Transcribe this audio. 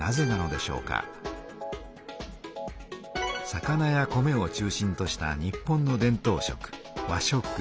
魚や米を中心とした日本の伝とう食和食。